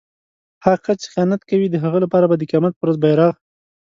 هغه کس چې خیانت کوي د هغه لپاره به د قيامت په ورځ بیرغ